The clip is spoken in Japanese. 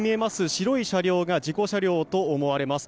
白い車両が事故車両と思われます。